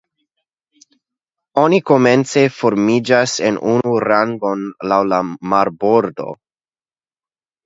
oni komence formiĝas en unu rangon laŭ la marbordo.